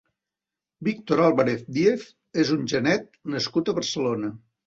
Víctor Álvarez Díez és un genet nascut a Barcelona.